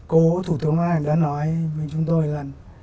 cô thủ tướng văn khải đã nói với chúng tôi lần